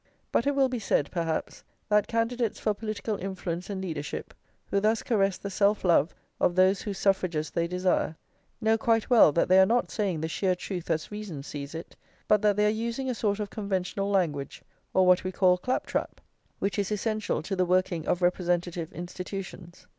But it will be said, perhaps, that candidates for political influence and leadership, who thus caress the self love of those whose suffrages they desire, know quite well that they are not saying the sheer truth as reason sees it, but that they are using a sort of conventional language, or what we call clap trap, which is essential to the working of representative institutions.